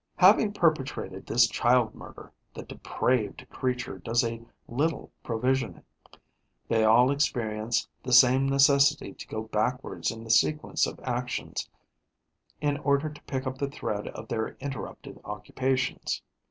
Having perpetrated this child murder, the depraved creature does a little provisioning. They all experience the same necessity to go backwards in the sequence of actions in order to pick up the thread of their interrupted occupations.